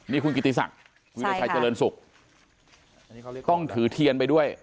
นี่คุณกิติศักดิ์วิราชัยเจริญศุกร์ต้องถือเทียนไปด้วย